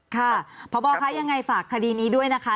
ค่ะพบคะยังไงฝากคดีนี้ด้วยนะคะ